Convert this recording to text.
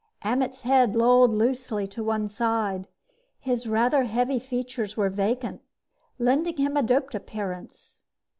Ammet's head lolled loosely to one side. His rather heavy features were vacant, lending him a doped appearance.